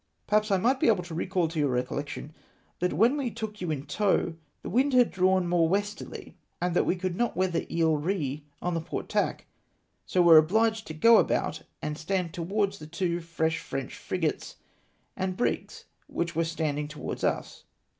" Perhaps I may be able to recall to your recollection that when we took you in tow, the wind had drawn more westerly, and that we could not weather Isle Rhe on the port tack, so were obliged to go about and stand towards the two fresh French frigates and brigs which were standing towards us.